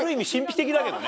だけどね。